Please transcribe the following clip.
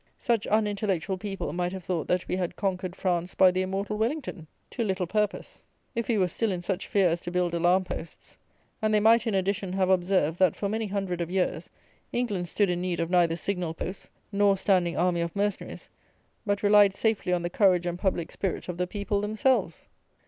Such unintellectual people might have thought that we had "conquered France by the immortal Wellington," to little purpose, if we were still in such fear as to build alarm posts; and they might, in addition, have observed, that, for many hundred of years, England stood in need of neither signal posts nor standing army of mercenaries; but relied safely on the courage and public spirit of the people themselves.